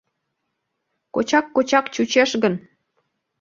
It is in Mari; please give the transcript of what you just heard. Кочак-кочак чучеш гын